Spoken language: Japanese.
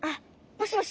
もしもし？